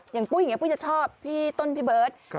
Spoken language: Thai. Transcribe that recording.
อย่างกต์หญิงกับกุ๊ยอย่างงี้พี่ต้นพี่เบิศ